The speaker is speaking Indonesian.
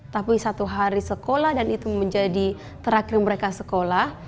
tapi satu hari sekolah yang menjadi terakhir sekolah